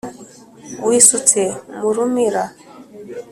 wisutse mu rumira